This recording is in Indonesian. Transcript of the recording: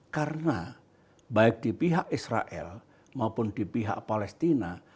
karena baik di pihak israel maupun di pihak palestina